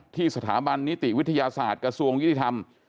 ที่สถาบันนิติวิทยาศาสตร์กระทรวงยุติธรรม